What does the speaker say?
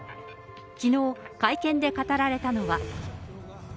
きのう、会見で語られたのは。